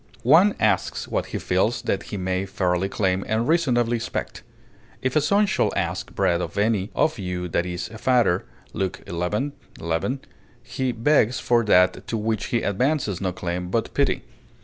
One asks what he feels that he may fairly claim and reasonably expect; "if a son shall ask bread of any of you that is a father," Luke xi, 11; he begs for that to which he advances no claim but pity.